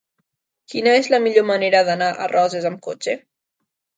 Quina és la millor manera d'anar a Roses amb cotxe?